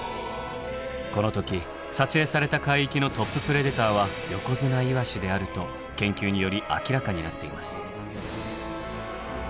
この時撮影された海域のトッププレデターはヨコヅナイワシであると研究により明らかになっています。